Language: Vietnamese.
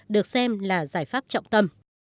được xem là giải pháp trọng tâm